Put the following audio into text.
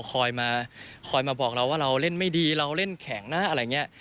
คอยมาคอยมาบอกเราว่าเราเล่นไม่ดีเราเล่นแข็งนะอะไรอย่างนี้